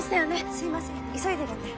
すいません急いでるので。